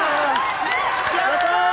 やった！